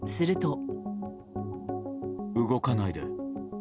動かないで。